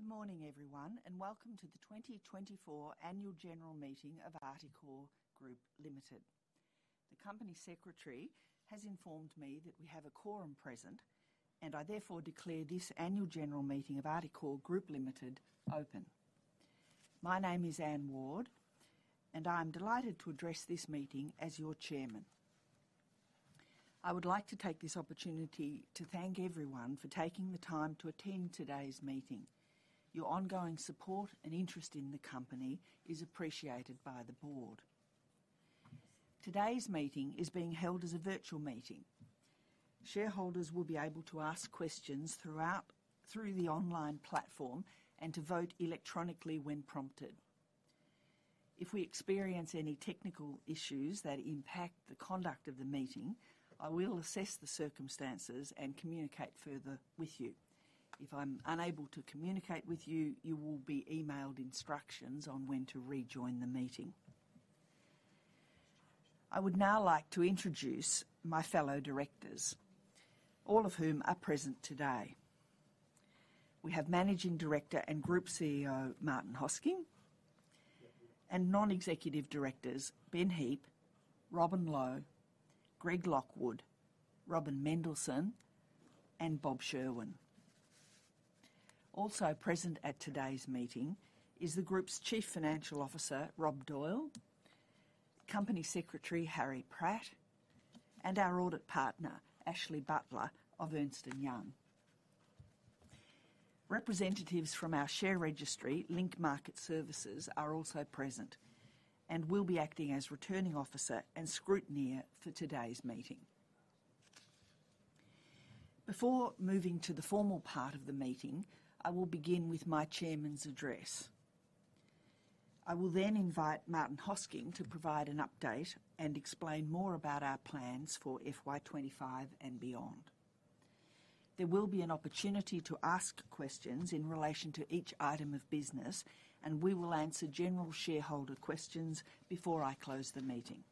Good morning, everyone, and welcome to the 2024 Annual General Meeting of Articore Group Limited. The company secretary has informed me that we have a quorum present, and I therefore declare this annual general meeting of Articore Group Limited open. My name is Anne Ward, and I'm delighted to address this meeting as your chairman. I would like to take this opportunity to thank everyone for taking the time to attend today's meeting. Your ongoing support and interest in the company is appreciated by the board. Today's meeting is being held as a virtual meeting. Shareholders will be able to ask questions through the online platform and to vote electronically when prompted. If we experience any technical issues that impact the conduct of the meeting, I will assess the circumstances and communicate further with you. If I'm unable to communicate with you, you will be emailed instructions on when to rejoin the meeting. I would now like to introduce my fellow directors, all of whom are present today. We have Managing Director and Group CEO, Martin Hosking, and Non-Executive Directors, Ben Heap, Robin Low, Greg Lockwood, Robin Mendelson, and Bob Sherwin. Also present at today's meeting is the Group's Chief Financial Officer, Rob Doyle, Company Secretary, Harry Pratt, and our Audit Partner, Ashley Butler of Ernst & Young. Representatives from our share registry, Link Market Services, are also present and will be acting as Returning Officer and Scrutineer for today's meeting. Before moving to the formal part of the meeting, I will begin with my Chairman's address. I will then invite Martin Hosking to provide an update and explain more about our plans for FY 2025 and beyond. There will be an opportunity to ask questions in relation to each item of business, and we will answer general shareholder questions before I close the meeting.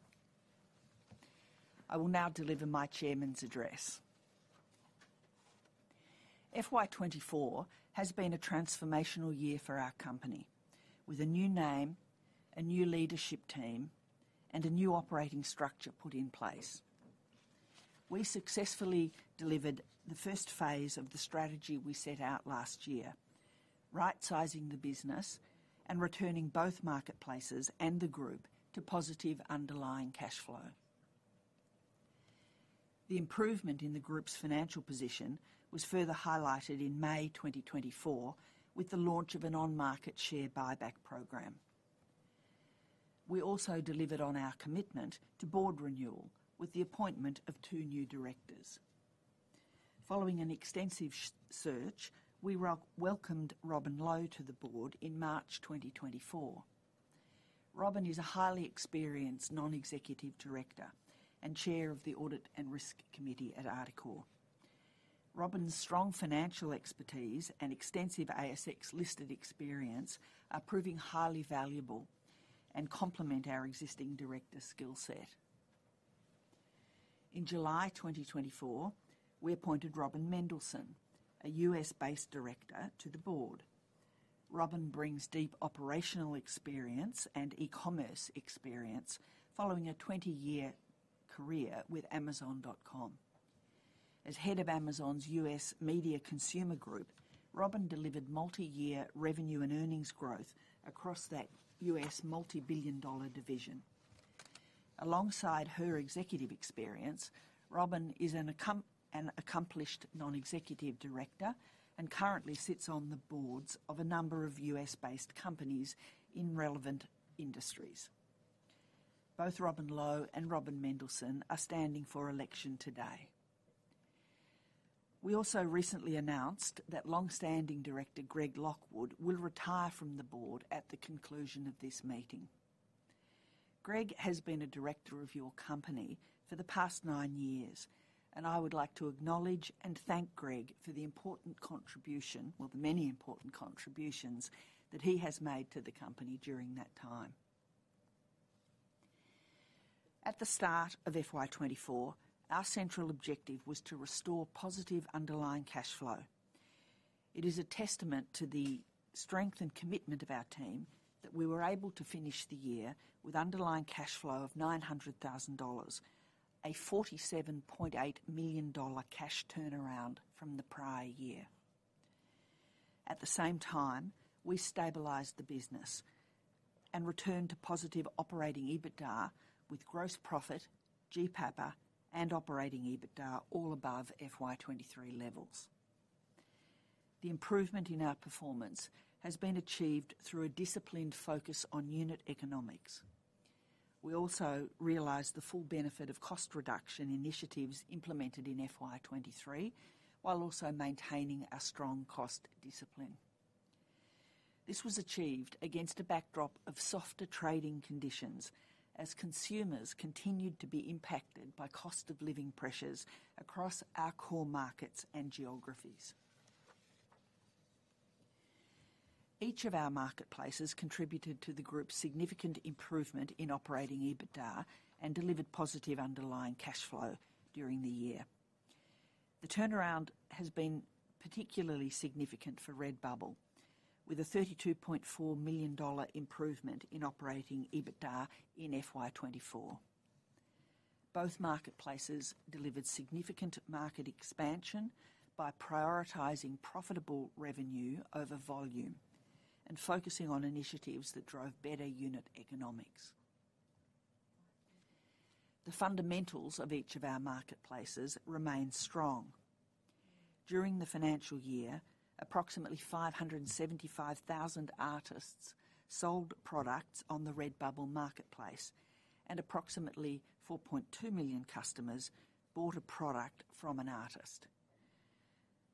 I will now deliver my chairman's address. FY 2024 has been a transformational year for our company, with a new name, a new leadership team, and a new operating structure put in place. We successfully delivered the first phase of the strategy we set out last year: right-sizing the business and returning both marketplaces and the group to positive underlying cash flow. The improvement in the group's financial position was further highlighted in May 2024 with the launch of an on-market share buyback program. We also delivered on our commitment to board renewal with the appointment of two new directors. Following an extensive search, we welcomed Robin Low to the board in March 2024. Robin is a highly experienced Non-Executive Director and Chair of the Audit and Risk Committee at Articore. Robin's strong financial expertise and extensive ASX-listed experience are proving highly valuable and complement our existing director skill set. In July 2024, we appointed Robin Mendelson, a U.S.-based director, to the board. Robin brings deep operational experience and e-commerce experience following a twenty-year career with Amazon.com. As head of Amazon's U.S. Media Consumer Group, Robin delivered multiyear revenue and earnings growth across that U.S. multi-billion-dollar division. Alongside her executive experience, Robin is an accomplished Non-Executive Director and currently sits on the boards of a number of U.S.-based companies in relevant industries. Both Robin Low and Robin Mendelson are standing for election today. We also recently announced that long-standing director, Greg Lockwood, will retire from the board at the conclusion of this meeting. Greg has been a director of your company for the past nine years, and I would like to acknowledge and thank Greg for the important contribution, or the many important contributions, that he has made to the company during that time. At the start of FY 2024, our central objective was to restore positive underlying cash flow. It is a testament to the strength and commitment of our team that we were able to finish the year with underlying cash flow of 900,000 dollars, a 47.8 million dollar cash turnaround from the prior year. At the same time, we stabilized the business and returned to positive operating EBITDA with gross profit, GPAPA, and operating EBITDA all above FY 2023 levels. The improvement in our performance has been achieved through a disciplined focus on unit economics. We also realized the full benefit of cost reduction initiatives implemented in FY 2023, while also maintaining a strong cost discipline. This was achieved against a backdrop of softer trading conditions as consumers continued to be impacted by cost of living pressures across our core markets and geographies.... Each of our marketplaces contributed to the group's significant improvement in Operating EBITDA and delivered positive underlying cash flow during the year. The turnaround has been particularly significant for Redbubble, with an 32.4 million dollar improvement in Operating EBITDA in FY 2024. Both marketplaces delivered significant market expansion by prioritizing profitable revenue over volume and focusing on initiatives that drove better unit economics. The fundamentals of each of our marketplaces remain strong. During the financial year, approximately 575,000 artists sold products on the Redbubble marketplace, and approximately 4.2 million customers bought a product from an artist.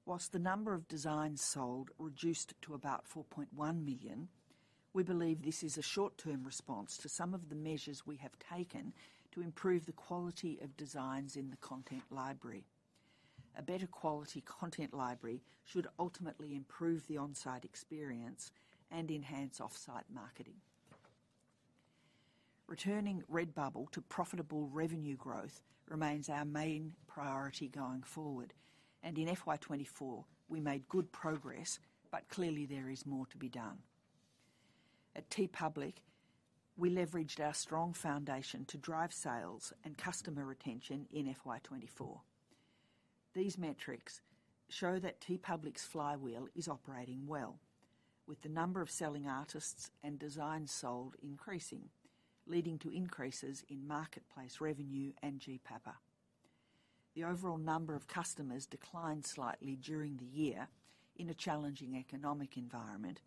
While the number of designs sold reduced to about 4.1 million, we believe this is a short-term response to some of the measures we have taken to improve the quality of designs in the content library. A better quality content library should ultimately improve the on-site experience and enhance off-site marketing. Returning Redbubble to profitable revenue growth remains our main priority going forward, and in FY 2024, we made good progress, but clearly there is more to be done. At TeePublic, we leveraged our strong foundation to drive sales and customer retention in FY 2024. These metrics show that TeePublic's flywheel is operating well, with the number of selling artists and designs sold increasing, leading to increases in marketplace revenue and GPAPA. The overall number of customers declined slightly during the year in a challenging economic environment,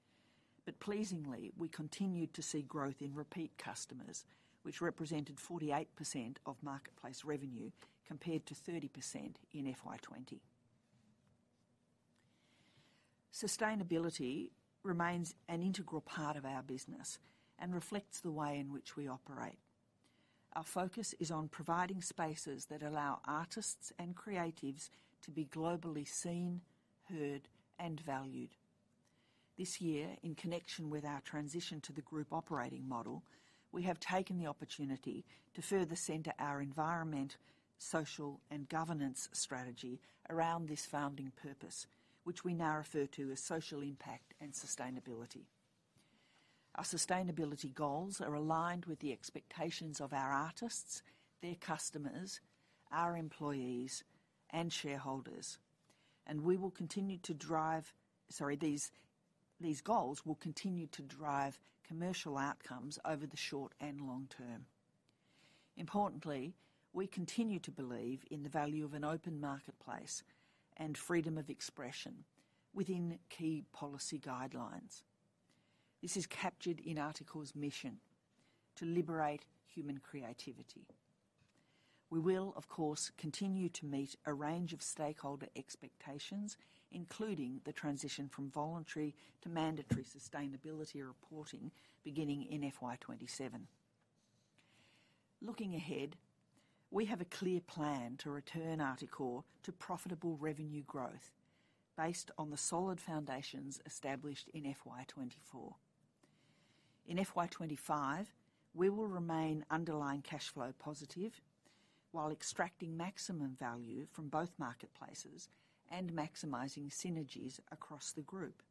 but pleasingly, we continued to see growth in repeat customers, which represented 48% of marketplace revenue, compared to 30% in FY 2020. Sustainability remains an integral part of our business and reflects the way in which we operate. Our focus is on providing spaces that allow artists and creatives to be globally seen, heard, and valued. This year, in connection with our transition to the group operating model, we have taken the opportunity to further center our environment, social, and governance strategy around this founding purpose, which we now refer to as social impact and sustainability. Our sustainability goals are aligned with the expectations of our artists, their customers, our employees, and shareholders, and we will continue to drive... Sorry. These goals will continue to drive commercial outcomes over the short and long term. Importantly, we continue to believe in the value of an open marketplace and freedom of expression within key policy guidelines. This is captured in Articore's mission to liberate human creativity. We will, of course, continue to meet a range of stakeholder expectations, including the transition from voluntary to mandatory sustainability reporting, beginning in FY 2027. Looking ahead, we have a clear plan to return Articore to profitable revenue growth based on the solid foundations established in FY 2024. In FY 2025, we will remain underlying cash flow positive while extracting maximum value from both marketplaces and maximizing synergies across the group.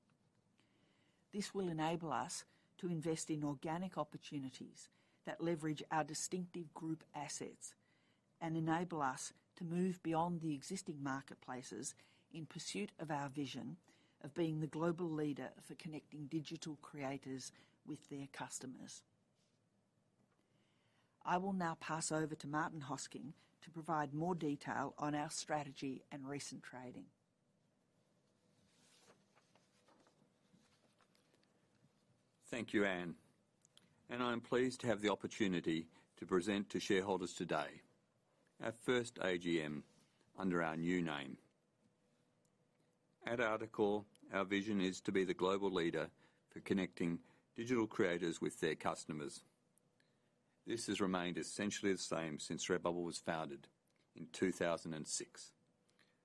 This will enable us to invest in organic opportunities that leverage our distinctive group assets and enable us to move beyond the existing marketplaces in pursuit of our vision of being the global leader for connecting digital creators with their customers. I will now pass over to Martin Hosking to provide more detail on our strategy and recent trading. Thank you, Anne, and I'm pleased to have the opportunity to present to shareholders today, our first AGM under our new name. At Articore, our vision is to be the global leader for connecting digital creators with their customers. This has remained essentially the same since Redbubble was founded in 2006.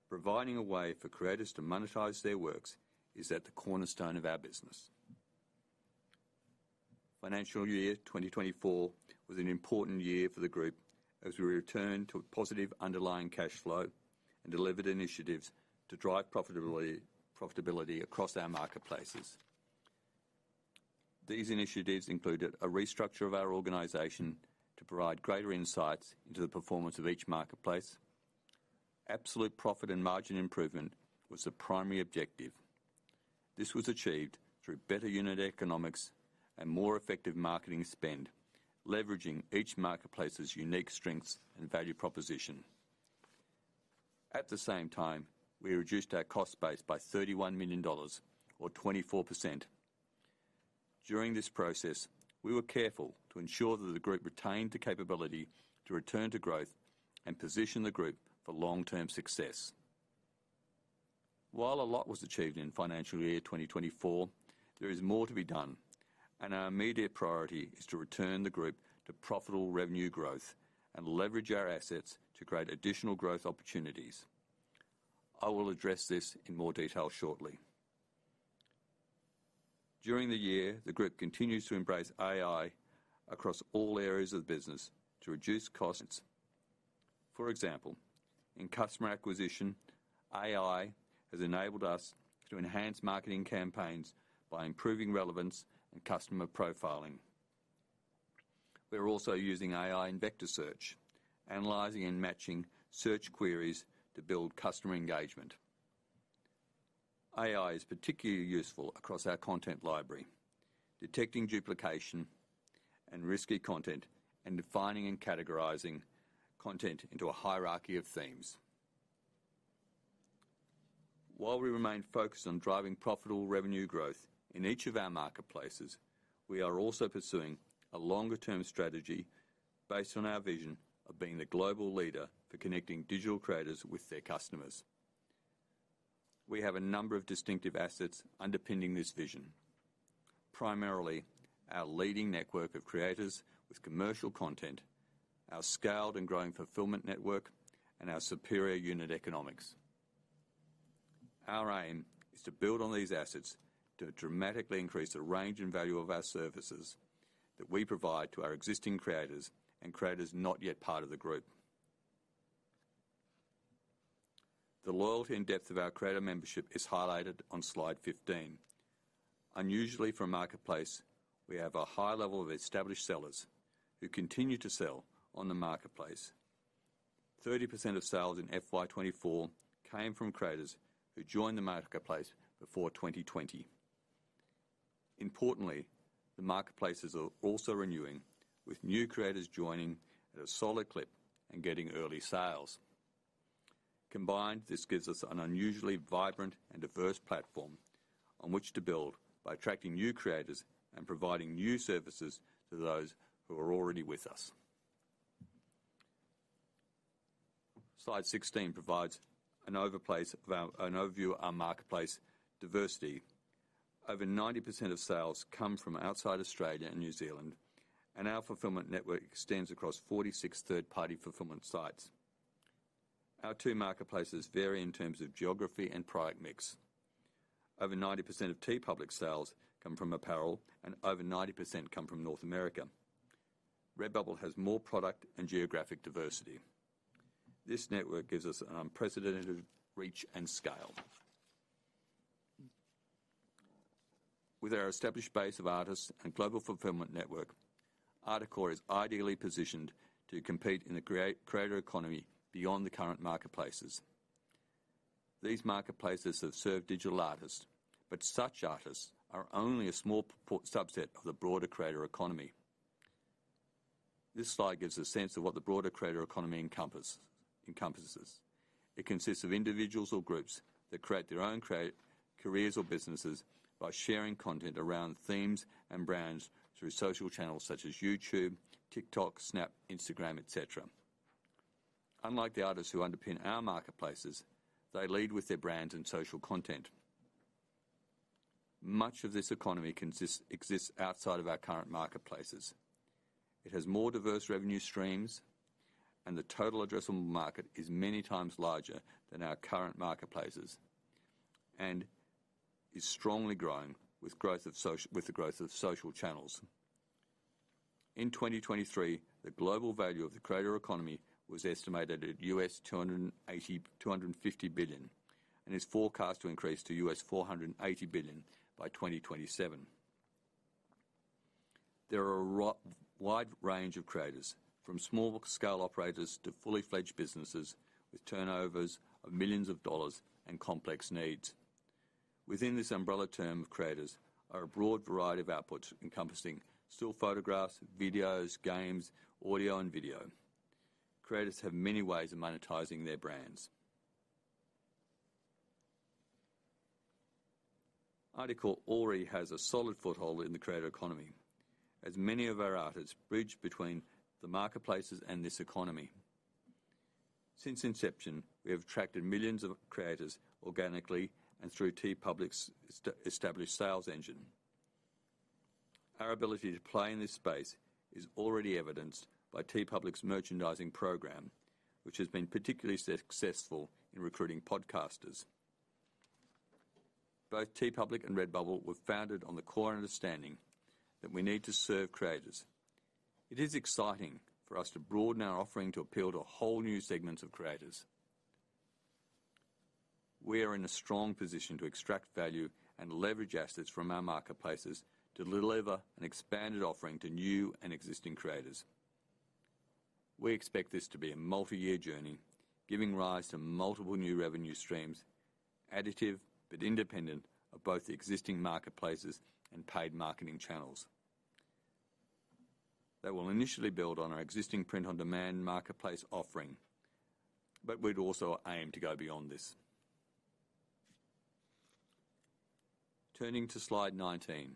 Providing a way for creators to monetize their works is at the cornerstone of our business. Financial year 2024 was an important year for the group as we returned to a positive underlying cash flow and delivered initiatives to drive profitability across our marketplaces. These initiatives included a restructure of our organization to provide greater insights into the performance of each marketplace. Absolute profit and margin improvement was the primary objective. This was achieved through better unit economics and more effective marketing spend, leveraging each marketplace's unique strengths and value proposition. At the same time, we reduced our cost base by 31 million dollars or 24%. During this process, we were careful to ensure that the group retained the capability to return to growth and position the group for long-term success. While a lot was achieved in financial year 2024, there is more to be done, and our immediate priority is to return the group to profitable revenue growth and leverage our assets to create additional growth opportunities. I will address this in more detail shortly. During the year, the group continues to embrace AI across all areas of the business to reduce costs. For example, in customer acquisition, AI has enabled us to enhance marketing campaigns by improving relevance and customer profiling. We're also using AI in vector search, analyzing and matching search queries to build customer engagement. AI is particularly useful across our content library, detecting duplication and risky content, and defining and categorizing content into a hierarchy of themes. While we remain focused on driving profitable revenue growth in each of our marketplaces, we are also pursuing a longer-term strategy based on our vision of being the global leader for connecting digital creators with their customers. We have a number of distinctive assets underpinning this vision. Primarily, our leading network of creators with commercial content, our scaled and growing fulfillment network, and our superior unit economics. Our aim is to build on these assets to dramatically increase the range and value of our services that we provide to our existing creators and creators not yet part of the group. The loyalty and depth of our creator membership is highlighted on slide 15. Unusually for a marketplace, we have a high level of established sellers who continue to sell on the marketplace. 30% of sales in FY 2024 came from creators who joined the marketplace before 2020. Importantly, the marketplaces are also renewing, with new creators joining at a solid clip and getting early sales. Combined, this gives us an unusually vibrant and diverse platform on which to build by attracting new creators and providing new services to those who are already with us. Slide 16 provides an overview of our marketplace diversity. Over 90% of sales come from outside Australia and New Zealand, and our fulfillment network extends across 46 third-party fulfillment sites. Our two marketplaces vary in terms of geography and product mix. Over 90% of TeePublic sales come from apparel, and over 90% come from North America. Redbubble has more product and geographic diversity. This network gives us an unprecedented reach and scale. With our established base of artists and global fulfillment network, Articore is ideally positioned to compete in the creator economy beyond the current marketplaces. These marketplaces have served digital artists, but such artists are only a small portion, subset of the broader creator economy. This slide gives a sense of what the broader creator economy encompasses. It consists of individuals or groups that create their own careers or businesses by sharing content around themes and brands through social channels such as YouTube, TikTok, Snap, Instagram, et cetera. Unlike the artists who underpin our marketplaces, they lead with their brands and social content. Much of this economy exists outside of our current marketplaces. It has more diverse revenue streams, and the total addressable market is many times larger than our current marketplaces and is strongly growing with the growth of social channels. In 2023, the global value of the creator economy was estimated at $250 billion, and is forecast to increase to $480 billion by 2027. There are a wide range of creators, from small-scale operators to fully fledged businesses, with turnovers of millions of dollars and complex needs. Within this umbrella term of creators, are a broad variety of outputs encompassing still photographs, videos, games, audio and video. Creators have many ways of monetizing their brands. Articore already has a solid foothold in the creator economy, as many of our artists bridge between the marketplaces and this economy. Since inception, we have attracted millions of creators organically and through TeePublic's established sales engine. Our ability to play in this space is already evidenced by TeePublic's merchandising program, which has been particularly successful in recruiting podcasters. Both TeePublic and Redbubble were founded on the core understanding that we need to serve creators. It is exciting for us to broaden our offering to appeal to whole new segments of creators. We are in a strong position to extract value and leverage assets from our marketplaces to deliver an expanded offering to new and existing creators. We expect this to be a multi-year journey, giving rise to multiple new revenue streams, additive but independent of both the existing marketplaces and paid marketing channels. They will initially build on our existing print-on-demand marketplace offering, but we'd also aim to go beyond this. Turning to slide 19.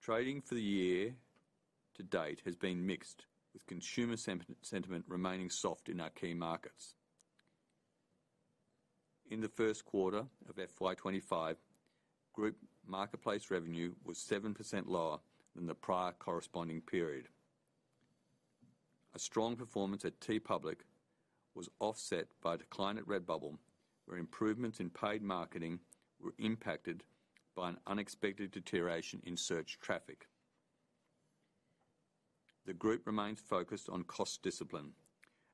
Trading for the year to date has been mixed, with consumer sentiment remaining soft in our key markets. In the first quarter of FY 2025, group marketplace revenue was 7% lower than the prior corresponding period. A strong performance at TeePublic was offset by a decline at Redbubble, where improvements in paid marketing were impacted by an unexpected deterioration in search traffic. The group remains focused on cost discipline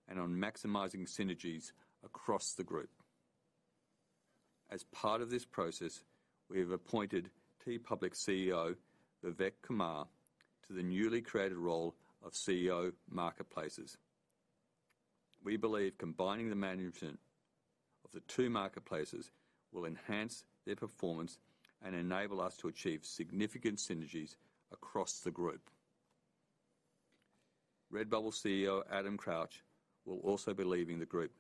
and on maximizing synergies across the group. As part of this process, we have appointed TeePublic CEO, Vivek Kumar, to the newly created role of CEO, Marketplaces. We believe combining the management of the two marketplaces will enhance their performance and enable us to achieve significant synergies across the group. Redbubble CEO, Adam Crouch, will also be leaving the group.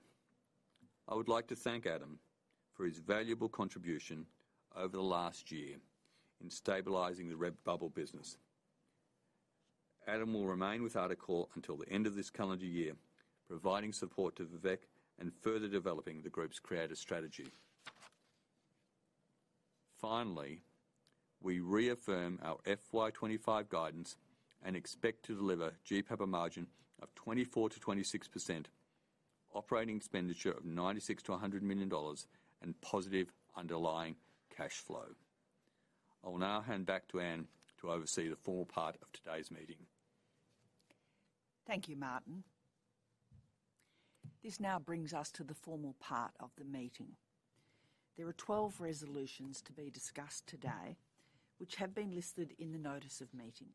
I would like to thank Adam for his valuable contribution over the last year in stabilizing the Redbubble business. Adam will remain with Articore until the end of this calendar year, providing support to Vivek and further developing the group's creative strategy. Finally, we reaffirm our FY 2025 guidance and expect to deliver GPAPA margin of 24%-26%, operating expenditure of 96 million-100 million dollars, and positive underlying cash flow. I will now hand back to Anne to oversee the formal part of today's meeting. Thank you, Martin. This now brings us to the formal part of the meeting. There are 12 resolutions to be discussed today, which have been listed in the notice of meeting.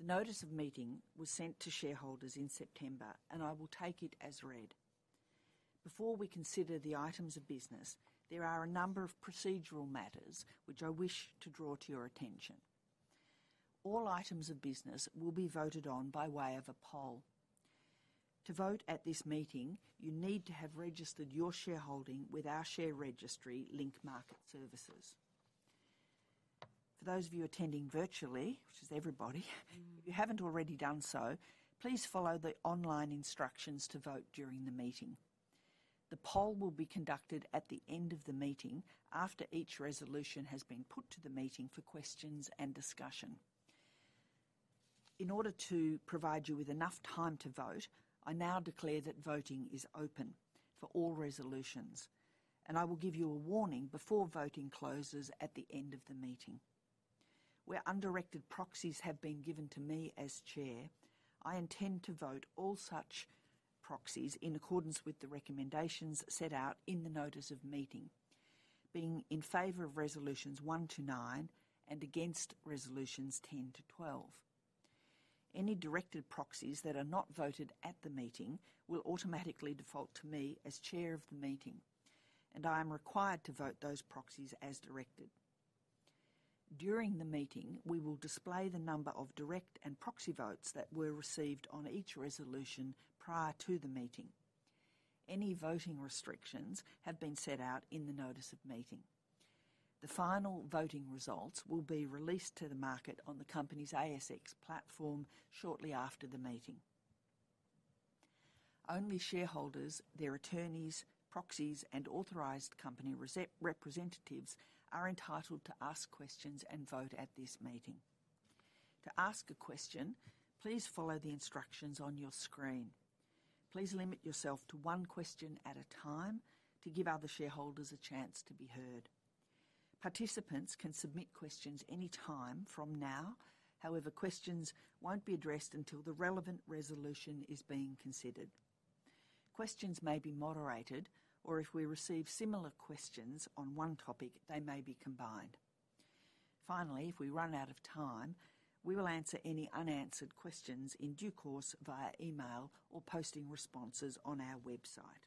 The notice of meeting was sent to shareholders in September, and I will take it as read. Before we consider the items of business, there are a number of procedural matters which I wish to draw to your attention. All items of business will be voted on by way of a poll. To vote at this meeting, you need to have registered your shareholding with our share registry, Link Market Services. For those of you attending virtually, which is everybody, if you haven't already done so, please follow the online instructions to vote during the meeting. The poll will be conducted at the end of the meeting, after each resolution has been put to the meeting for questions and discussion. In order to provide you with enough time to vote, I now declare that voting is open for all resolutions, and I will give you a warning before voting closes at the end of the meeting. Where undirected proxies have been given to me as chair, I intend to vote all such proxies in accordance with the recommendations set out in the notice of meeting, being in favor of resolutions one to nine and against resolutions 10 to 12. Any directed proxies that are not voted at the meeting will automatically default to me as chair of the meeting, and I am required to vote those proxies as directed. During the meeting, we will display the number of direct and proxy votes that were received on each resolution prior to the meeting. Any voting restrictions have been set out in the notice of meeting. The final voting results will be released to the market on the company's ASX platform shortly after the meeting. Only shareholders, their attorneys, proxies, and authorized company representatives are entitled to ask questions and vote at this meeting. To ask a question, please follow the instructions on your screen. Please limit yourself to one question at a time to give other shareholders a chance to be heard. Participants can submit questions any time from now. However, questions won't be addressed until the relevant resolution is being considered. Questions may be moderated, or if we receive similar questions on one topic, they may be combined. Finally, if we run out of time, we will answer any unanswered questions in due course via email or posting responses on our website.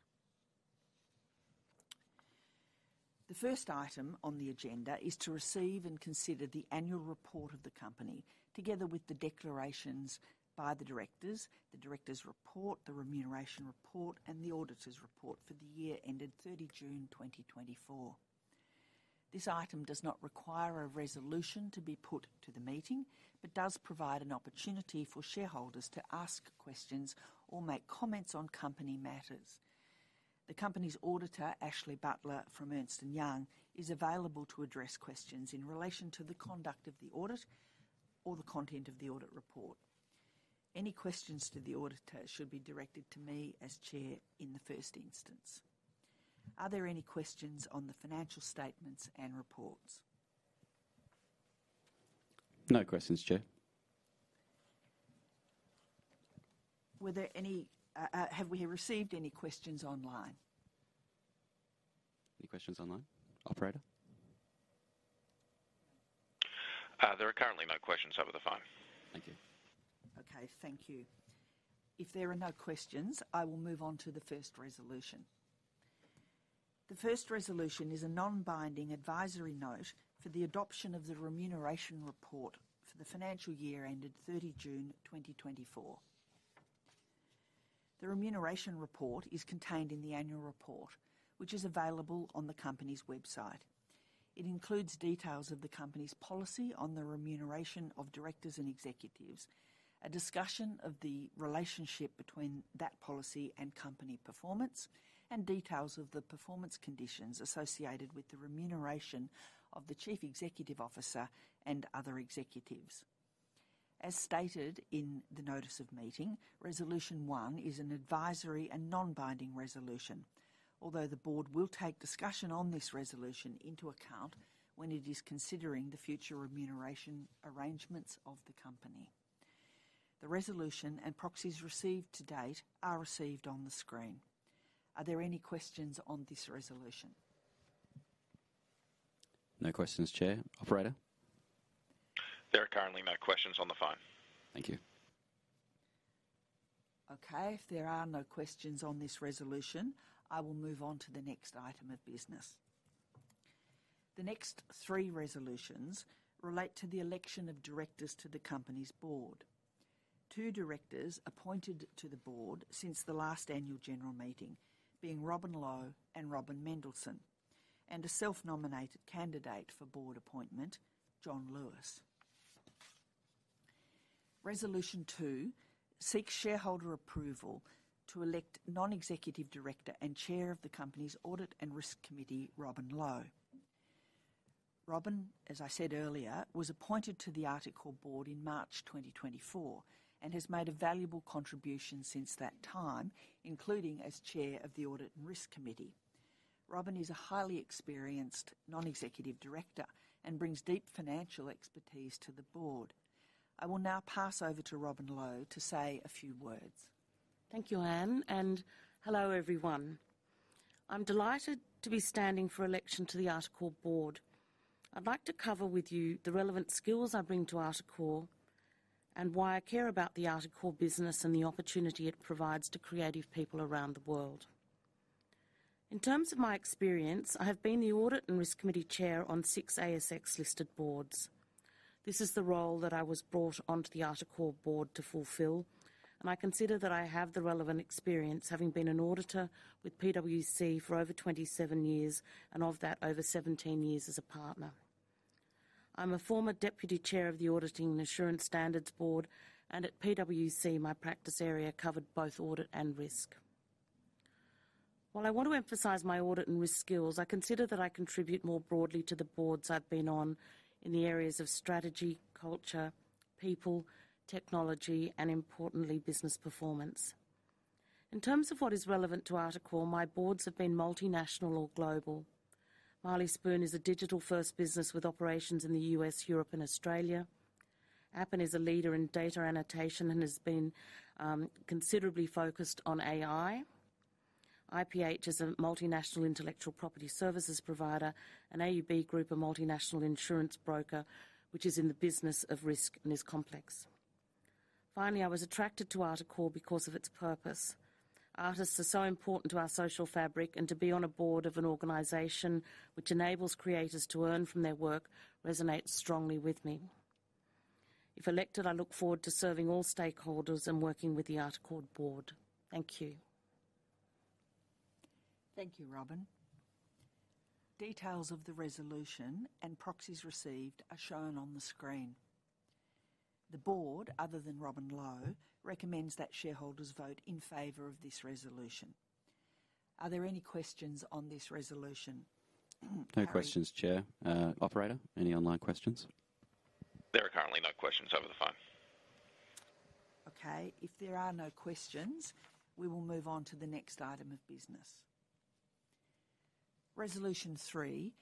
The first item on the agenda is to receive and consider the annual report of the company, together with the declarations by the directors, the directors' report, the remuneration report, and the auditor's report for the year ended 30 June, 2024. This item does not require a resolution to be put to the meeting, but does provide an opportunity for shareholders to ask questions or make comments on company matters. The company's auditor, Ashley Butler, from Ernst & Young, is available to address questions in relation to the conduct of the audit or the content of the audit report. Any questions to the auditor should be directed to me as Chair in the first instance. Are there any questions on the financial statements and reports? No questions, Chair. Were there any... Have we received any questions online? Any questions online, operator? There are currently no questions over the phone. Thank you. Okay, thank you. If there are no questions, I will move on to the first resolution. The first resolution is a non-binding advisory note for the adoption of the remuneration report for the financial year ended 30 June, 2024. The remuneration report is contained in the annual report, which is available on the company's website. It includes details of the company's policy on the remuneration of directors and executives, a discussion of the relationship between that policy and company performance, and details of the performance conditions associated with the remuneration of the Chief Executive Officer and other executives…. As stated in the notice of meeting, Resolution one is an advisory and non-binding resolution, although the board will take discussion on this resolution into account when it is considering the future remuneration arrangements of the company. The resolution and proxies received to date are received on the screen. Are there any questions on this resolution? No questions, Chair. Operator? There are currently no questions on the phone. Thank you. Okay. If there are no questions on this resolution, I will move on to the next item of business. The next three resolutions relate to the election of directors to the company's board. Two directors appointed to the board since the last Annual General Meeting, being Robin Low and Robin Mendelson, and a self-nominated candidate for board appointment, John Lewis. Resolution two seeks shareholder approval to elect Non-Executive Director and Chair of the company's Audit and Risk Committee, Robin Low. Robin, as I said earlier, was appointed to the Articore board in March 2024 and has made a valuable contribution since that time, including as Chair of the Audit and Risk Committee. Robin is a highly experienced non-executive director and brings deep financial expertise to the board. I will now pass over to Robin Low to say a few words. Thank you, Anne, and hello, everyone. I'm delighted to be standing for election to the Articore board. I'd like to cover with you the relevant skills I bring to Articore and why I care about the Articore business and the opportunity it provides to creative people around the world. In terms of my experience, I have been the Audit and Risk Committee Chair on six ASX-listed boards. This is the role that I was brought onto the Articore board to fulfill, and I consider that I have the relevant experience, having been an auditor with PwC for over 27 years, and of that, over 17 years as a partner. I'm a former Deputy Chair of the Auditing and Assurance Standards Board, and at PwC, my practice area covered both audit and risk. While I want to emphasize my audit and risk skills, I consider that I contribute more broadly to the boards I've been on in the areas of strategy, culture, people, technology, and importantly, business performance. In terms of what is relevant to Articore, my boards have been multinational or global. Marley Spoon is a digital-first business with operations in the US, Europe, and Australia. Appen is a leader in data annotation and has been considerably focused on AI. IPH is a multinational intellectual property services provider, and AUB Group, a multinational insurance broker, which is in the business of risk and is complex. Finally, I was attracted to Articore because of its purpose. Artists are so important to our social fabric, and to be on a board of an organization which enables creators to earn from their work resonates strongly with me. If elected, I look forward to serving all stakeholders and working with the Articore board. Thank you. Thank you, Robin. Details of the resolution and proxies received are shown on the screen. The board, other than Robin Low, recommends that shareholders vote in favor of this resolution. Are there any questions on this resolution? Harry? No questions, Chair. Operator, any online questions? There are currently no questions over the phone. Okay. If there are no questions, we will move on to the next item of business. Resolution three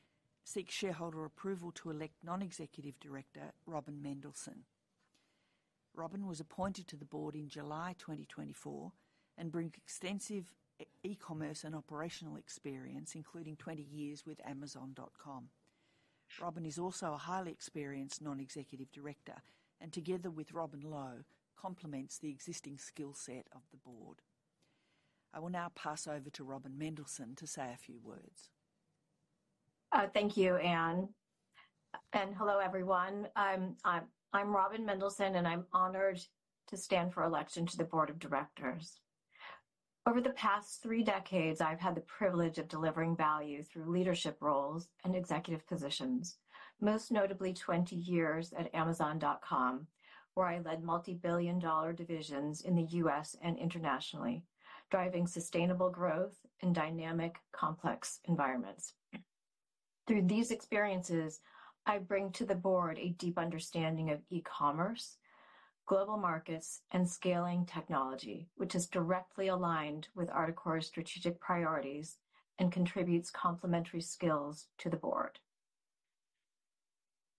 seeks shareholder approval to elect non-executive director, Robin Mendelson. Robin was appointed to the board in July 2024 and brings extensive e-commerce and operational experience, including 20 years with Amazon.com. Robin is also a highly experienced non-executive director, and together with Robin Low, complements the existing skill set of the board. I will now pass over to Robin Mendelson to say a few words. Thank you, Anne, and hello, everyone. I'm Robin Mendelson, and I'm honored to stand for election to the board of directors. Over the past three decades, I've had the privilege of delivering value through leadership roles and executive positions, most notably 20 years at Amazon.com, where I led multi-billion dollar divisions in the U.S. and internationally, driving sustainable growth in dynamic, complex environments. Through these experiences, I bring to the board a deep understanding of e-commerce, global markets, and scaling technology, which is directly aligned with Articore's strategic priorities and contributes complementary skills to the board.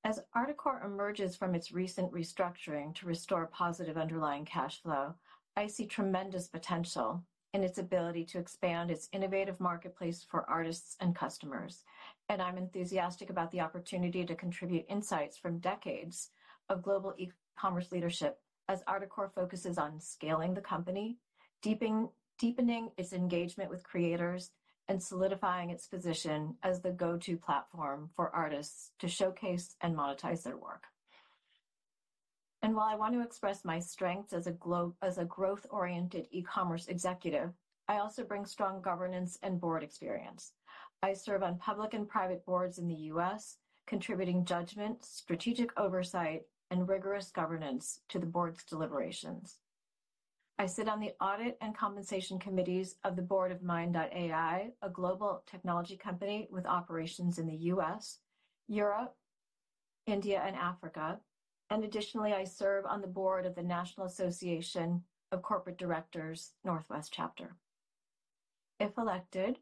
As Articore emerges from its recent restructuring to restore positive underlying cash flow, I see tremendous potential in its ability to expand its innovative marketplace for artists and customers. I'm enthusiastic about the opportunity to contribute insights from decades of global e-commerce leadership as Articore focuses on scaling the company, deepening its engagement with creators, and solidifying its position as the go-to platform for artists to showcase and monetize their work. While I want to express my strength as a growth-oriented e-commerce executive, I also bring strong governance and board experience. I serve on public and private boards in the U.S., contributing judgment, strategic oversight, and rigorous governance to the board's deliberations. I sit on the Audit and Compensation Committees of the Board of Mind AI, a global technology company with operations in the U.S., Europe, India, and Africa. Additionally, I serve on the board of the National Association of Corporate Directors, Northwest Chapter. If elected,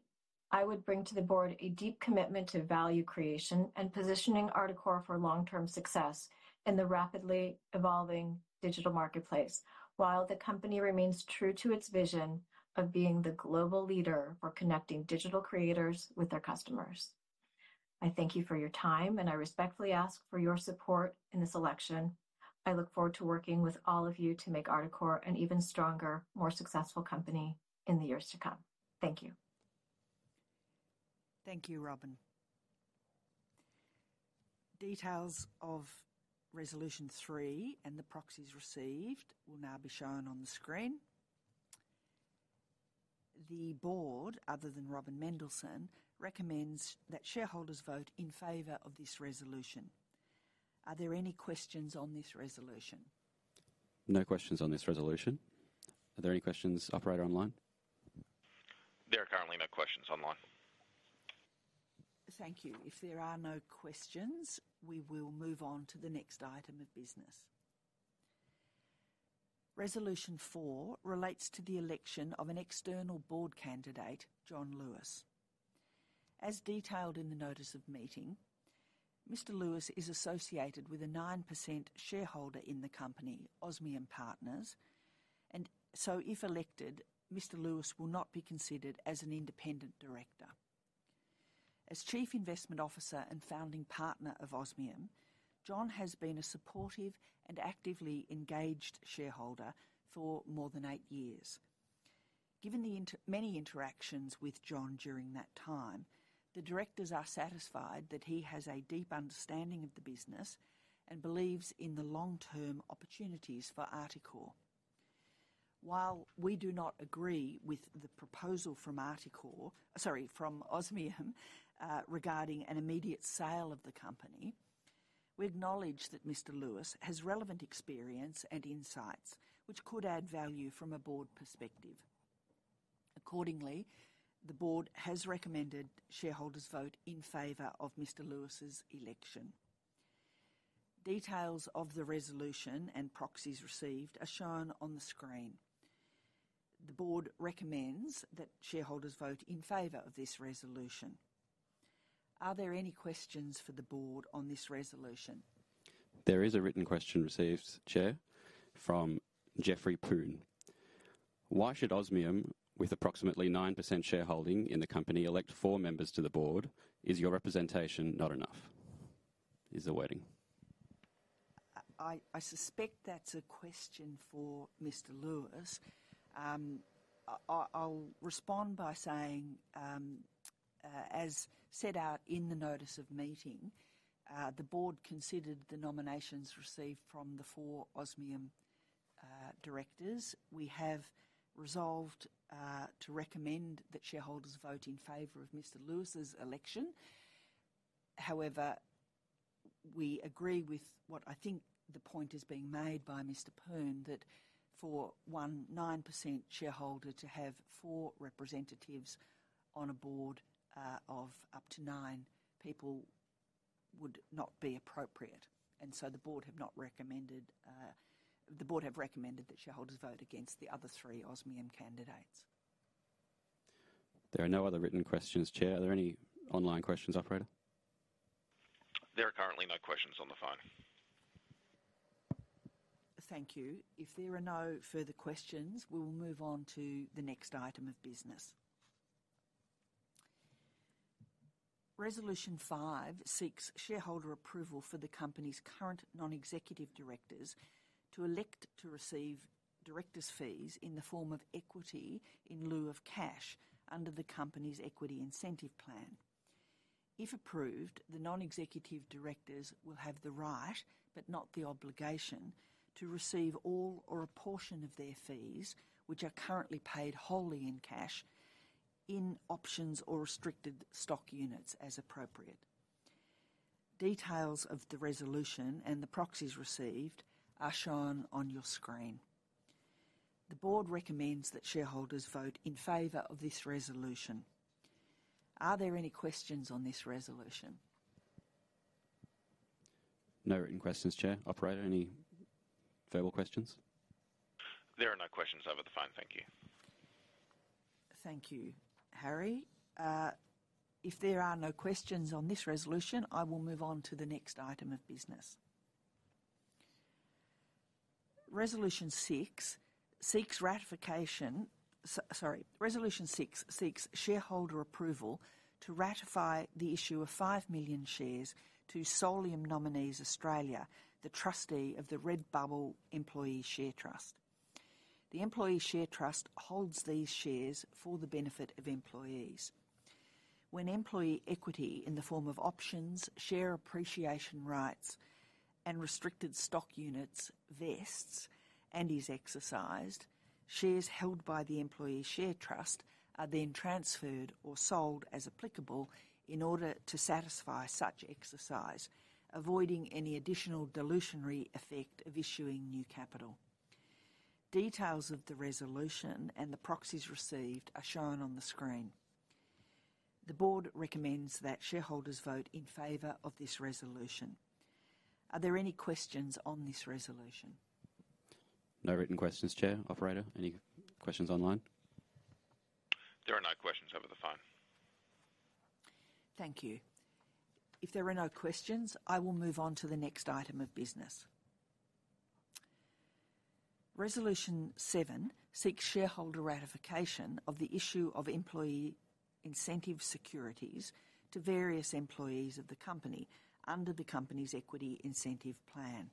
I would bring to the board a deep commitment to value creation and positioning Articore for long-term success in the rapidly evolving digital marketplace, while the company remains true to its vision of being the global leader for connecting digital creators with their customers. I thank you for your time, and I respectfully ask for your support in this election. I look forward to working with all of you to make Articore an even stronger, more successful company in the years to come. Thank you. Thank you, Robin. Details of resolution three and the proxies received will now be shown on the screen. The board, other than Robin Mendelson, recommends that shareholders vote in favor of this resolution. Are there any questions on this resolution? No questions on this resolution. Are there any questions, operator, online? There are currently no questions online. Thank you. If there are no questions, we will move on to the next item of business. Resolution four relates to the election of an external board candidate, John Lewis. As detailed in the notice of meeting, Mr. Lewis is associated with a 9% shareholder in the company, Osmium Partners, and so if elected, Mr. Lewis will not be considered as an independent director. As Chief Investment Officer and founding partner of Osmium, John has been a supportive and actively engaged shareholder for more than eight years. Given the many interactions with John during that time, the directors are satisfied that he has a deep understanding of the business and believes in the long-term opportunities for Articore. While we do not agree with the proposal from Articore... Sorry, from Osmium, regarding an immediate sale of the company, we acknowledge that Mr. Lewis has relevant experience and insights which could add value from a board perspective. Accordingly, the board has recommended shareholders vote in favor of Mr. Lewis's election. Details of the resolution and proxies received are shown on the screen. The board recommends that shareholders vote in favor of this resolution. Are there any questions for the board on this resolution? There is a written question received, Chair, from Jeffrey Poon. "Why should Osmium, with approximately 9% shareholding in the company, elect four members to the board? Is your representation not enough?" Is awaiting. I suspect that's a question for Mr. Lewis. I'll respond by saying, as set out in the notice of meeting, the board considered the nominations received from the four Osmium directors. We have resolved to recommend that shareholders vote in favor of Mr. Lewis's election. However, we agree with what I think the point is being made by Mr. Poon, that for 19% shareholder to have four representatives on a board of up to nine people would not be appropriate, and so the board have not recommended... The board have recommended that shareholders vote against the other three Osmium candidates. There are no other written questions, Chair. Are there any online questions, operator? There are currently no questions on the phone. Thank you. If there are no further questions, we will move on to the next item of business. Resolution five seeks shareholder approval for the company's current non-executive directors to elect to receive directors' fees in the form of equity in lieu of cash under the company's equity incentive plan. If approved, the non-executive directors will have the right, but not the obligation, to receive all or a portion of their fees, which are currently paid wholly in cash, in options or restricted stock units, as appropriate. Details of the resolution and the proxies received are shown on your screen. The board recommends that shareholders vote in favor of this resolution. Are there any questions on this resolution? No written questions, Chair. Operator, any verbal questions? There are no questions over the phone. Thank you. Thank you, Harry. If there are no questions on this resolution, I will move on to the next item of business. Resolution six seeks shareholder approval to ratify the issue of 5 million shares to Solium Nominees (Australia) Pty Ltd, the trustee of the Redbubble Employee Share Trust. The employee share trust holds these shares for the benefit of employees. When employee equity in the form of options, share appreciation rights, and restricted stock units vests and is exercised, shares held by the employee share trust are then transferred or sold as applicable in order to satisfy such exercise, avoiding any additional dilutionary effect of issuing new capital. Details of the resolution and the proxies received are shown on the screen.... The board recommends that shareholders vote in favor of this resolution. Are there any questions on this resolution? No written questions, Chair. Operator, any questions online? There are no questions over the phone. Thank you. If there are no questions, I will move on to the next item of business. Resolution seven seeks shareholder ratification of the issue of employee incentive securities to various employees of the company under the company's Equity Incentive Plan.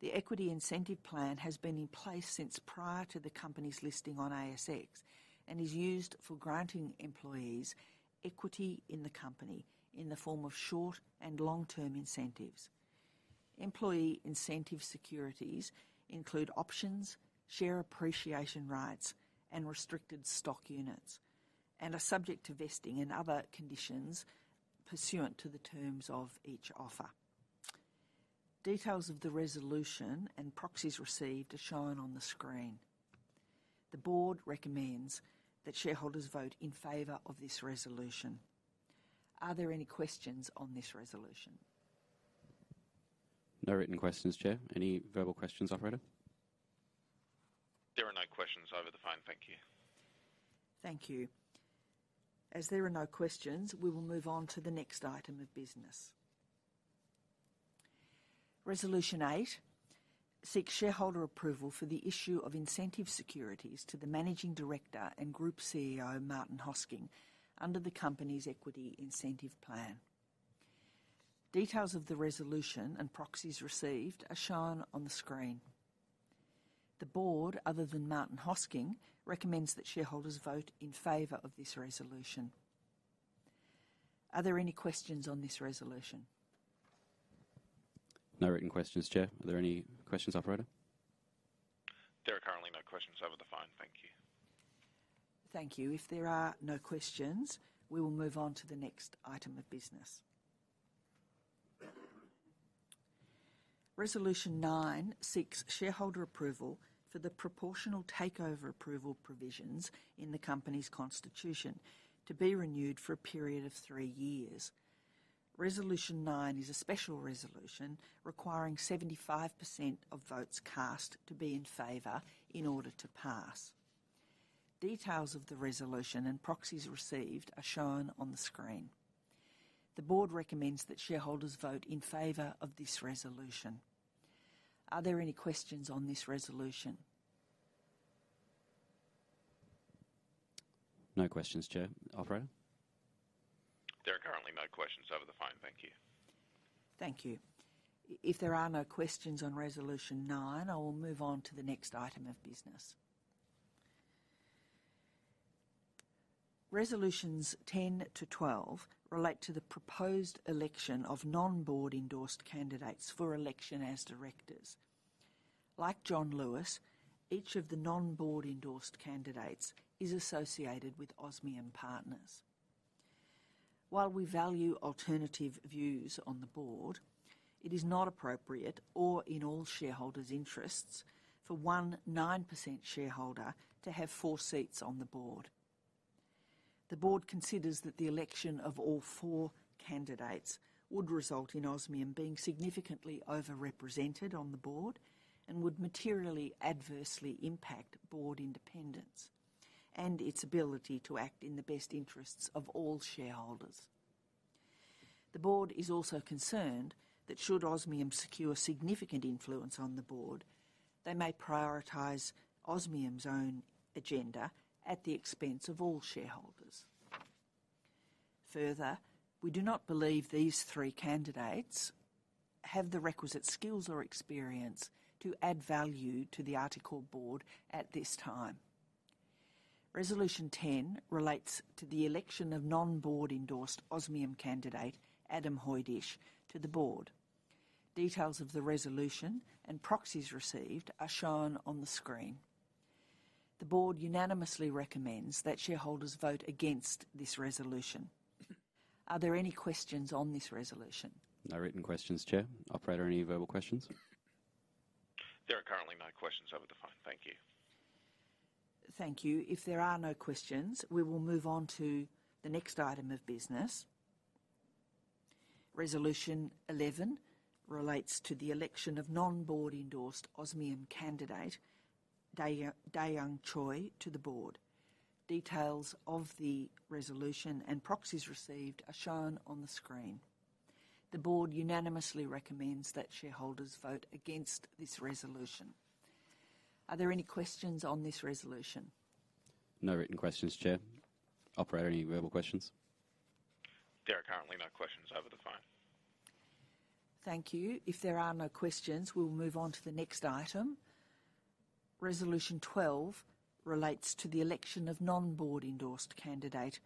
The Equity Incentive Plan has been in place since prior to the company's listing on ASX and is used for granting employees equity in the company in the form of short- and long-term incentives. Employee incentive securities include options, share appreciation rights, and restricted stock units, and are subject to vesting and other conditions pursuant to the terms of each offer. Details of the resolution and proxies received are shown on the screen. The board recommends that shareholders vote in favor of this resolution. Are there any questions on this resolution? No written questions, Chair. Any verbal questions, Operator? There are no questions over the phone. Thank you. Thank you. As there are no questions, we will move on to the next item of business. Resolution eight seeks shareholder approval for the issue of incentive securities to the Managing Director and Group CEO, Martin Hosking, under the company's Equity Incentive Plan. Details of the resolution and proxies received are shown on the screen. The board, other than Martin Hosking, recommends that shareholders vote in favor of this resolution. Are there any questions on this resolution? No written questions, Chair. Are there any questions, Operator? There are currently no questions over the phone. Thank you. Thank you. If there are no questions, we will move on to the next item of business. Resolution nine seeks shareholder approval for the proportional takeover approval provisions in the company's constitution to be renewed for a period of three years. Resolution nine is a special resolution requiring 75% of votes cast to be in favor in order to pass. Details of the resolution and proxies received are shown on the screen. The board recommends that shareholders vote in favor of this resolution. Are there any questions on this resolution? No questions, Chair. Operator? There are currently no questions over the phone. Thank you. Thank you. If there are no questions on resolution nine, I will move on to the next item of business. Resolutions 10 to 12 relate to the proposed election of non-board endorsed candidates for election as directors. Like John Lewis, each of the non-board endorsed candidates is associated with Osmium Partners. While we value alternative views on the board, it is not appropriate or in all shareholders' interests for one 19% shareholder to have four seats on the board. The board considers that the election of all four candidates would result in Osmium being significantly over-represented on the board and would materially adversely impact board independence and its ability to act in the best interests of all shareholders. The board is also concerned that should Osmium secure significant influence on the board, they may prioritize Osmium's own agenda at the expense of all shareholders. Further, we do not believe these three candidates have the requisite skills or experience to add value to the Articore board at this time. Resolution 10 relates to the election of non-board endorsed Osmium candidate, Adam Hoydysh, to the board. Details of the resolution and proxies received are shown on the screen. The board unanimously recommends that shareholders vote against this resolution. Are there any questions on this resolution? No written questions, Chair. Operator, any verbal questions? There are currently no questions over the phone. Thank you. Thank you. If there are no questions, we will move on to the next item of business. Resolution 11 relates to the election of non-board endorsed Osmium candidate, Daeyoung Choi, to the board. Details of the resolution and proxies received are shown on the screen. The board unanimously recommends that shareholders vote against this resolution. Are there any questions on this resolution? No written questions, Chair. Operator, any verbal questions? There are currently no questions over the phone. Thank you. If there are no questions, we will move on to the next item. Resolution 12 relates to the election of non-board endorsed candidate,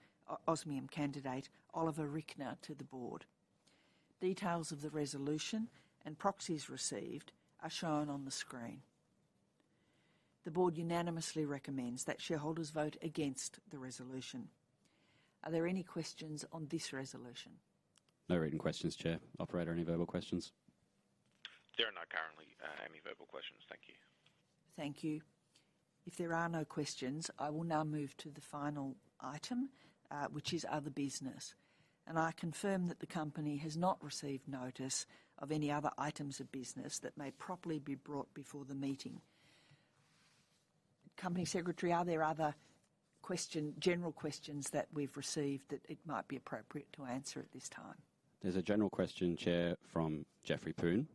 Osmium candidate, Oliver Richner, to the board. Details of the resolution and proxies received are shown on the screen. The board unanimously recommends that shareholders vote against the resolution. Are there any questions on this resolution? No written questions, Chair. Operator, any verbal questions?... There are not currently, any verbal questions. Thank you. Thank you. If there are no questions, I will now move to the final item, which is other business. And I confirm that the company has not received notice of any other items of business that may properly be brought before the meeting. Company Secretary, are there other general questions that we've received that it might be appropriate to answer at this time? There's a general question, Chair, from Jeffrey Poon: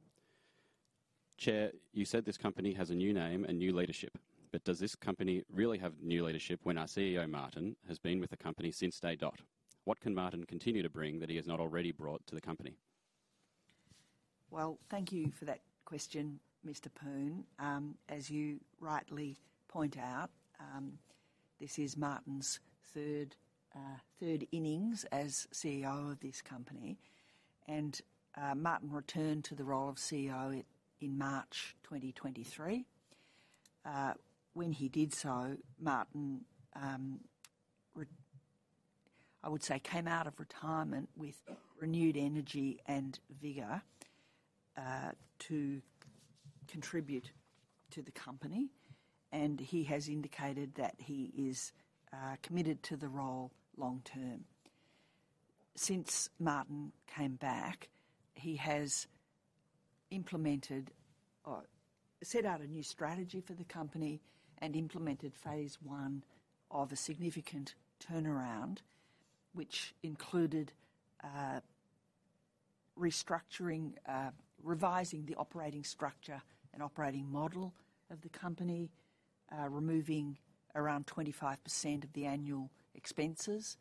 "Chair, you said this company has a new name and new leadership, but does this company really have new leadership when our CEO, Martin, has been with the company since day dot? What can Martin continue to bring that he has not already brought to the company? Thank you for that question, Mr. Poon. As you rightly point out, this is Martin's third innings as CEO of this company, and Martin returned to the role of CEO in March 2023. When he did so, Martin, I would say, came out of retirement with renewed energy and vigor to contribute to the company, and he has indicated that he is committed to the role long term. Since Martin came back, he has implemented or set out a new strategy for the company and implemented phase one of a significant turnaround, which included restructuring, revising the operating structure and operating model of the company. Removing around 25% of the annual expenses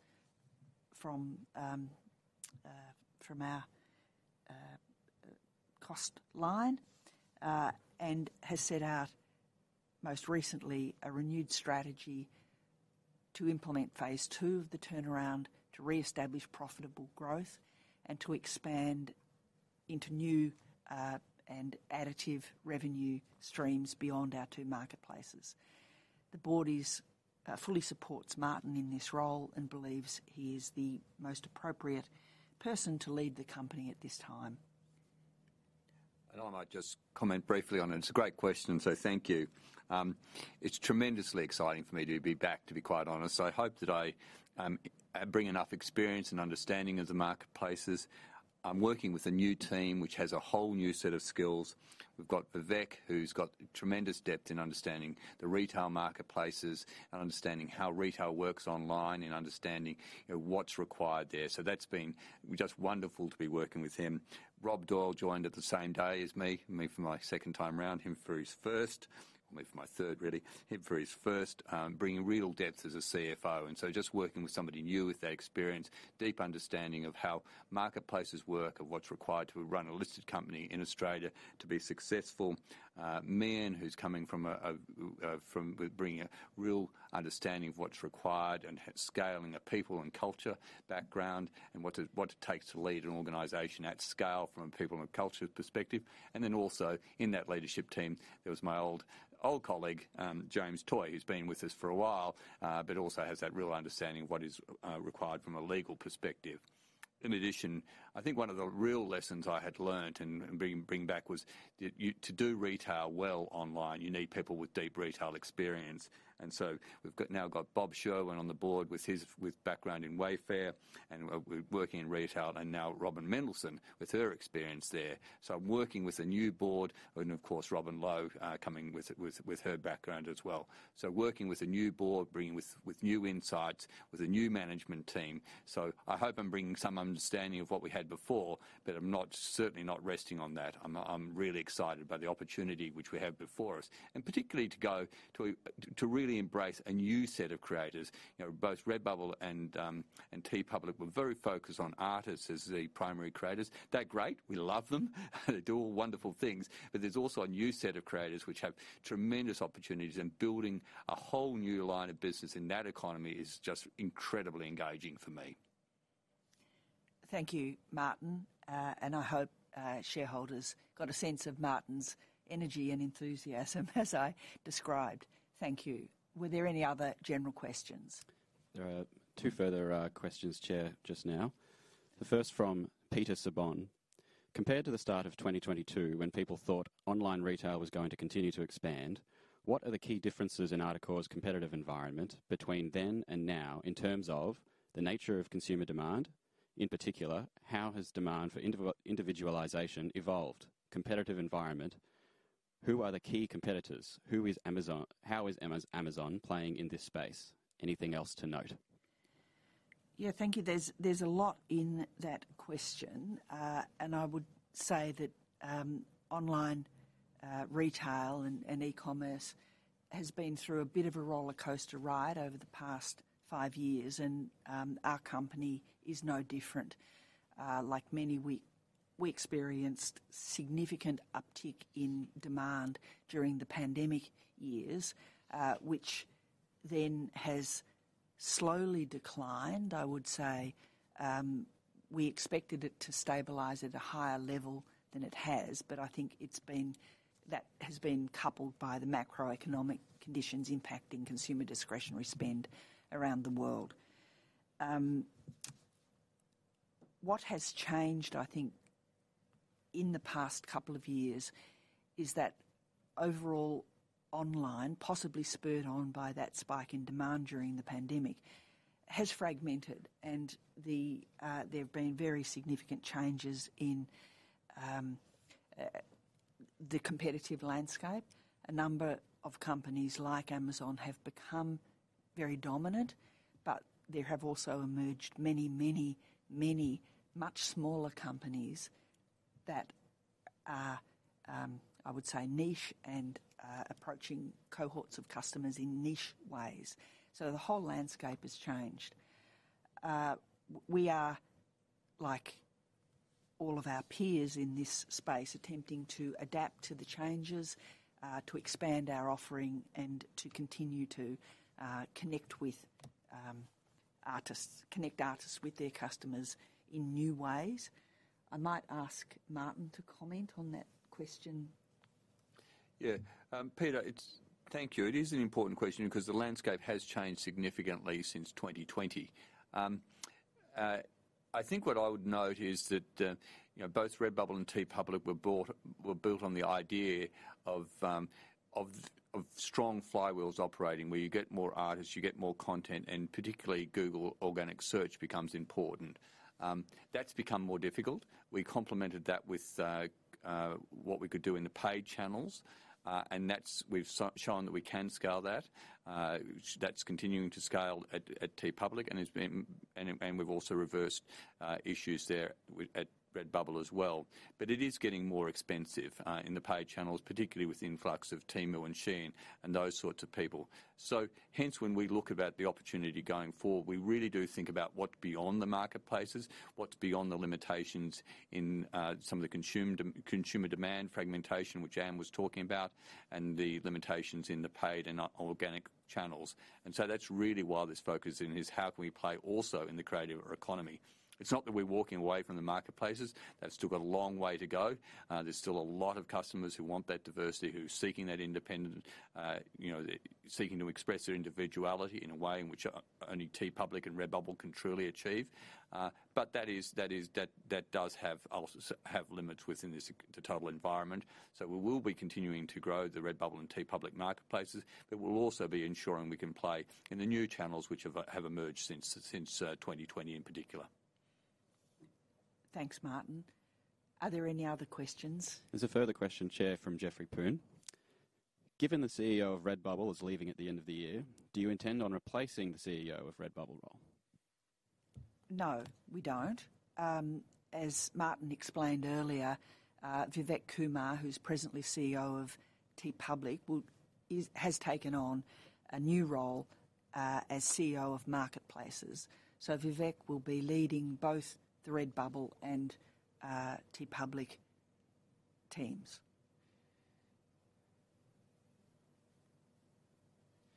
from our cost line. And has set out, most recently, a renewed strategy to implement phase two of the turnaround, to reestablish profitable growth, and to expand into new and additive revenue streams beyond our two marketplaces. The board is fully supports Martin in this role and believes he is the most appropriate person to lead the company at this time. I might just comment briefly on it. It's a great question, so thank you. It's tremendously exciting for me to be back, to be quite honest. So I hope that I bring enough experience and understanding of the marketplaces. I'm working with a new team, which has a whole new set of skills. We've got Vivek, who's got tremendous depth in understanding the retail marketplaces and understanding how retail works online, and understanding, you know, what's required there. So that's been just wonderful to be working with him. Rob Doyle joined at the same day as me. Me for my second time around, him for his first. Me for my third, really. Him for his first, bringing real depth as a CFO, and so just working with somebody new, with that experience, deep understanding of how marketplaces work and what's required to run a listed company in Australia to be successful. Meahan, who's coming from bringing a real understanding of what's required and scaling a people and culture background, and what it takes to lead an organization at scale from a people and a culture perspective. And then also in that leadership team, there was my old colleague, James Toy, who's been with us for a while, but also has that real understanding of what is required from a legal perspective. In addition, I think one of the real lessons I had learned in bringing back was that you to do retail well online, you need people with deep retail experience. And so we've got Bob Sherwin on the board with his background in Wayfair and working in retail, and now Robin Mendelson with her experience there. So I'm working with a new board and, of course, Robin Low coming with her background as well. So working with a new board, bringing with new insights, with a new management team. So I hope I'm bringing some understanding of what we had before, but I'm not certainly not resting on that. I'm really excited by the opportunity which we have before us, and particularly to really embrace a new set of creators. You know, both Redbubble and TeePublic were very focused on artists as the primary creators. They're great. We love them. They do all wonderful things, but there's also a new set of creators which have tremendous opportunities, and building a whole new line of business in that economy is just incredibly engaging for me. Thank you, Martin. And I hope shareholders got a sense of Martin's energy and enthusiasm as I described. Thank you. Were there any other general questions? There are two further questions, Chair, just now. The first from Peter Saban: "Compared to the start of 2022, when people thought online retail was going to continue to expand, what are the key differences in Articore's competitive environment between then and now in terms of the nature of consumer demand? In particular, how has demand for individualization evolved? Competitive environment: who are the key competitors? Who is Amazon? How is Amazon playing in this space? Anything else to note? Yeah. Thank you. There's a lot in that question. And I would say that online retail and e-commerce has been through a bit of a rollercoaster ride over the past five years, and our company is no different. Like many, we experienced significant uptick in demand during the pandemic years, which then has slowly declined. I would say we expected it to stabilize at a higher level than it has, but I think it's been... That has been coupled by the macroeconomic conditions impacting consumer discretionary spend around the world. What has changed, I think, in the past couple of years, is that overall online, possibly spurred on by that spike in demand during the pandemic, has fragmented, and there have been very significant changes in the competitive landscape. A number of companies like Amazon have become very dominant, but there have also emerged many, many, many much smaller companies that are, I would say, niche and, approaching cohorts of customers in niche ways. So the whole landscape has changed. We are, like all of our peers in this space, attempting to adapt to the changes, to expand our offering, and to continue to, connect with, artists. Connect artists with their customers in new ways. I might ask Martin to comment on that question. Yeah. Peter, it's. Thank you. It is an important question because the landscape has changed significantly since 2020. I think what I would note is that, you know, both Redbubble and TeePublic were built on the idea of strong flywheels operating, where you get more artists, you get more content, and particularly Google organic search becomes important. That's become more difficult. We complemented that with what we could do in the paid channels, and that's. We've shown that we can scale that. That's continuing to scale at TeePublic, and it's been, and we've also reversed issues there at Redbubble as well. But it is getting more expensive in the paid channels, particularly with the influx of Temu and Shein and those sorts of people. So hence, when we look about the opportunity going forward, we really do think about what's beyond the marketplaces, what's beyond the limitations in some of the consumer demand fragmentation, which Anne was talking about, and the limitations in the paid and organic channels. And so that's really why this focus in is how can we play also in the creative economy. It's not that we're walking away from the marketplaces. They've still got a long way to go. There's still a lot of customers who want that diversity, who's seeking that independent, you know, seeking to express their individuality in a way in which only TeePublic and Redbubble can truly achieve. But that is, that does have also have limits within this, the total environment. So we will be continuing to grow the Redbubble and TeePublic marketplaces, but we'll also be ensuring we can play in the new channels which have emerged since 2020 in particular. Thanks, Martin. Are there any other questions? There's a further question, Chair, from Jeffrey Poon. Given the CEO of Redbubble is leaving at the end of the year, do you intend on replacing the CEO of Redbubble role? No, we don't. As Martin explained earlier, Vivek Kumar, who's presently CEO of TeePublic, has taken on a new role as CEO of Marketplaces. So Vivek will be leading both the Redbubble and TeePublic teams.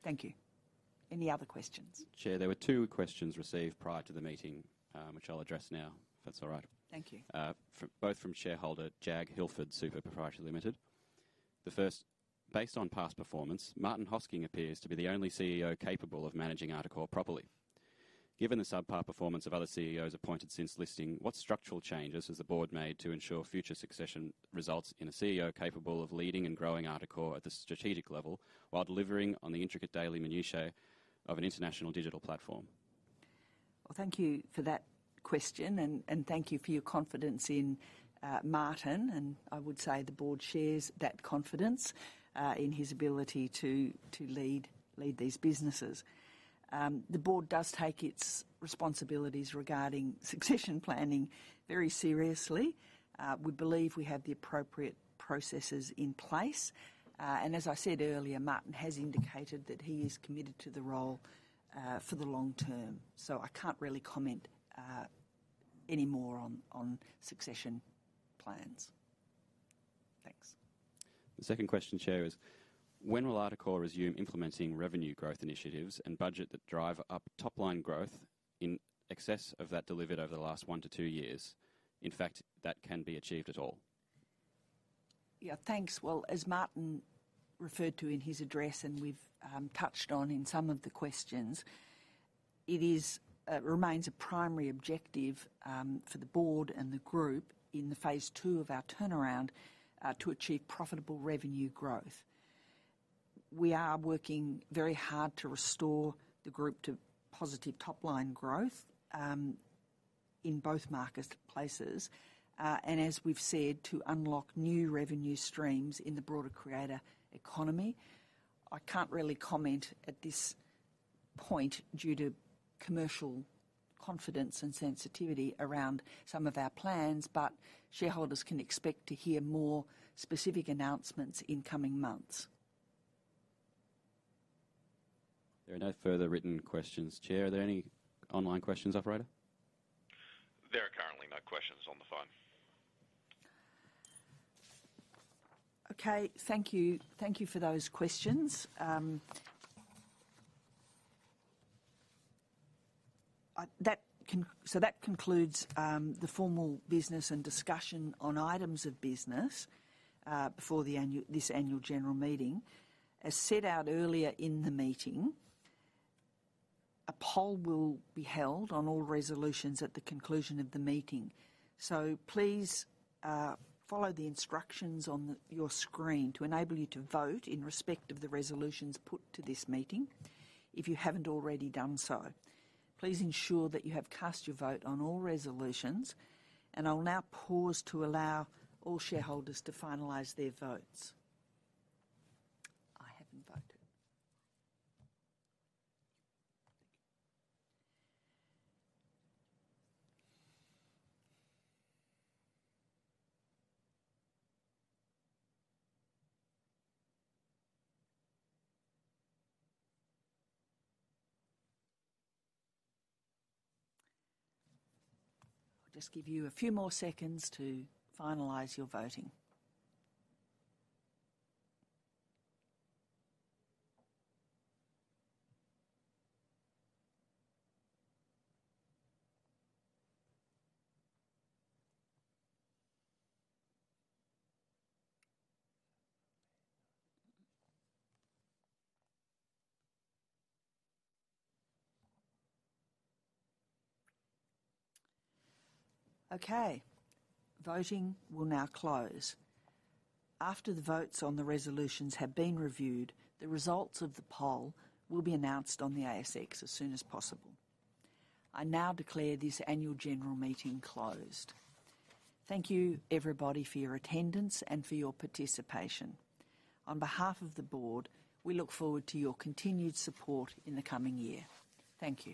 Thank you. Any other questions? Chair, there were two questions received prior to the meeting, which I'll address now, if that's all right? Thank you. Both from shareholder JAG Hilford Super Pty Ltd. The first: Based on past performance, Martin Hosking appears to be the only CEO capable of managing Articore properly. Given the subpar performance of other CEOs appointed since listing, what structural changes has the board made to ensure future succession results in a CEO capable of leading and growing Articore at the strategic level, while delivering on the intricate daily minutiae of an international digital platform? Thank you for that question, and thank you for your confidence in Martin, and I would say the board shares that confidence in his ability to lead these businesses. The board does take its responsibilities regarding succession planning very seriously. We believe we have the appropriate processes in place, and as I said earlier, Martin has indicated that he is committed to the role for the long term, so I can't really comment any more on succession plans. Thanks. The second question, Chair, is: When will Articore resume implementing revenue growth initiatives and budget that drive up top-line growth in excess of that delivered over the last one-to-two years? In fact, that can be achieved at all? Yeah, thanks. As Martin referred to in his address, and we've touched on in some of the questions, it remains a primary objective for the board and the group in phase two of our turnaround to achieve profitable revenue growth. We are working very hard to restore the group to positive top-line growth in both marketplaces, and as we've said, to unlock new revenue streams in the broader creator economy. I can't really comment at this point due to commercial confidence and sensitivity around some of our plans, but shareholders can expect to hear more specific announcements in coming months. There are no further written questions, Chair. Are there any online questions, operator? There are currently no questions on the phone. Okay, thank you. Thank you for those questions. So that concludes the formal business and discussion on items of business before this annual general meeting. As set out earlier in the meeting, a poll will be held on all resolutions at the conclusion of the meeting. So please follow the instructions on your screen to enable you to vote in respect of the resolutions put to this meeting, if you haven't already done so. Please ensure that you have cast your vote on all resolutions, and I'll now pause to allow all shareholders to finalize their votes. I haven't voted. Thank you. I'll just give you a few more seconds to finalize your voting. Okay, voting will now close. After the votes on the resolutions have been reviewed, the results of the poll will be announced on the ASX as soon as possible. I now declare this annual general meeting closed. Thank you, everybody, for your attendance and for your participation. On behalf of the board, we look forward to your continued support in the coming year. Thank you.